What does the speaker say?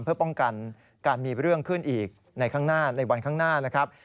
เพื่อป้องกันการมีเรื่องขึ้นอีกในข้างหน้าในวันข้างหน้านะครับ